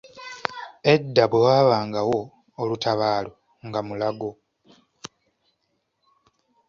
Edda bwe waabangawo olutabaalo nga Mulago.